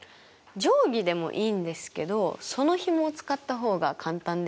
定規でもいいんですけどそのひもを使った方が簡単ですよ。